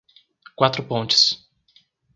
Quatro Pontes